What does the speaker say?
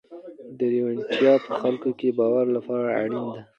دا روڼتیا په خلکو کې د باور لپاره اړینه ده.